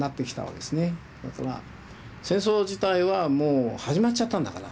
だから戦争自体はもう始まっちゃったんだから。